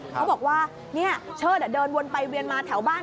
เขาบอกว่าเชิดเดินวนไปเวียนมาแถวบ้าน